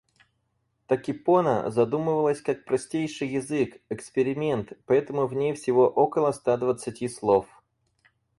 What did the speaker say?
Токипона задумывалась как простейший язык-эксперимент, поэтому в ней всего около ста двадцати слов.